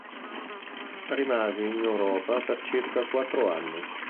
Rimase in Europa per circa quattro anni.